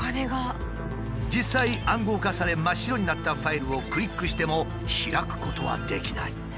実際暗号化され真っ白になったファイルをクリックしても開くことはできない。